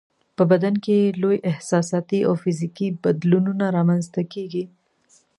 په بدن کې یې لوی احساساتي او فزیکي بدلونونه رامنځته کیږي.